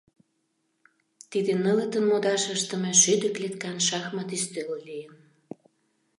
Тиде нылытын модаш ыштыме шӱдӧ клеткан шахмат ӱстел лийын.